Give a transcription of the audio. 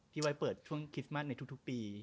ไว้เปิดช่วงคริสต์มัสในทุกปี